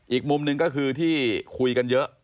อีกมุมหนึ่งก็คือที่คุยกันเยอะ